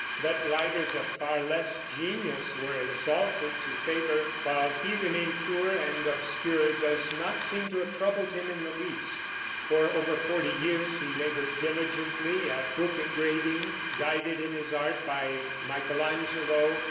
That writers of far less genius were exalted to favor, while he remained poor and obscure, does not seem to have troubled him in the least. For over forty years he labored diligently at book engraving, guided in his art by Michael Angelo.